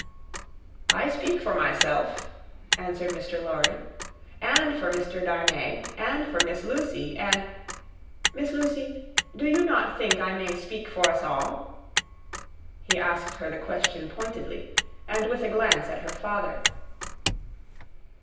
"I speak for myself," answered Mr. Lorry, "and for Mr. Darnay, and for Miss Lucie, and Miss Lucie, do you not think I may speak for us all?" He asked her the question pointedly, and with a glance at her father.